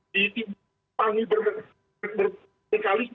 di tim panggung berkali